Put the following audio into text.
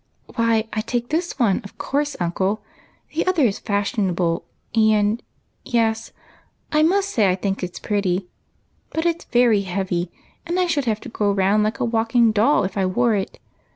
" Why, I take this one, of course, uncle. The other is fashionable, and — yes — I must say I think it 's pretty — but it 's very heavy, and I should have to go round like a walking doll if I wore it.